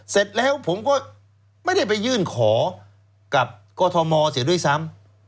เสร็จแล้วผมก็ไม่ได้ไปยื่นขอกับกรทมเสียด้วยซ้ำ